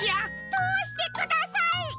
とおしてください！